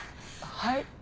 はい？